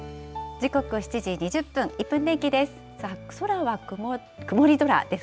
時刻、７時２０分、１分天気です。